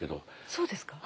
そうですか。